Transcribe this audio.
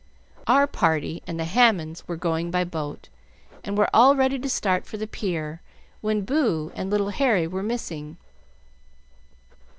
Our party and the Hammonds were going by boat, and were all ready to start for the pier when Boo and little Harry were missing.